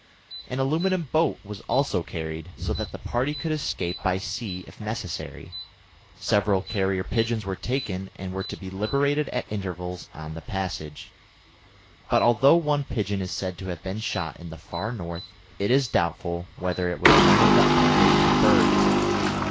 An aluminium boat was also carried, so that the party could escape by sea if necessary. Several carrier pigeons were taken, and were to be liberated at intervals on the passage; but although one pigeon is said to have been shot in the Far North, it is doubtful whether it was one of the Andrée birds.